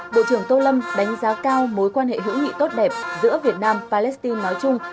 bộ trưởng tô lâm đánh giá cao mối quan hệ hữu nghị tốt đẹp giữa việt nam palestine nói chung